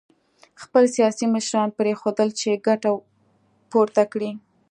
خپل سیاسي مشران پرېنښودل چې ګټه پورته کړي